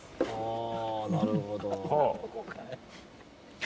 あなるほど。